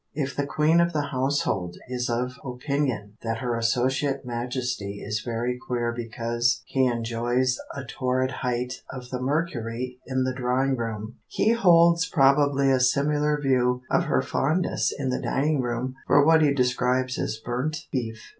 If the queen of the household is of opinion that her associate majesty is very queer because he enjoys a torrid height of the mercury in the drawing room, he holds probably a similar view of her fondness in the dining room for what he describes as burnt beef.